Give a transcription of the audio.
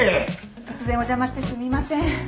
突然お邪魔してすみません。